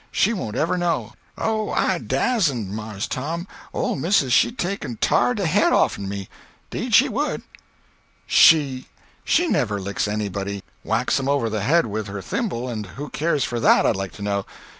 She won't ever know." "Oh, I dasn't, Mars Tom. Ole missis she'd take an' tar de head off'n me. 'Deed she would." "She! She never licks anybody—whacks 'em over the head with her thimble—and who cares for that, I'd like to know.